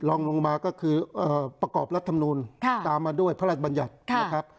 ลองลงมาก็คือเอ่อประกอบรัฐธรรมนุนค่ะตามมาด้วยพระราชบัญญัติค่ะ